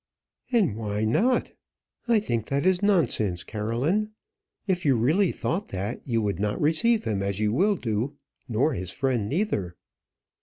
"And why not? I think that is nonsense, Caroline. If you really thought that, you would not receive him as you will do, nor his friend neither."